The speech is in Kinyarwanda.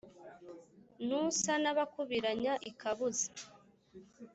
ntusa n’abakubiranya ikabuza